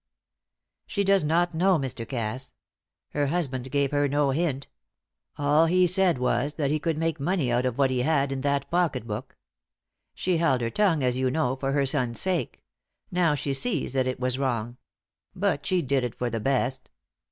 "She does not know, Mr. Cass. Her husband gave her no hint. All he said was that he could make money out of what he had in that pocket book. She held her tongue, as you know, for her son's sake; now she sees that it was wrong. But she did it for the best.